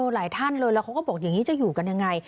หลายท่านเลยแล้วเขาก็บอกอย่างนี้จะอยู่กันยังไง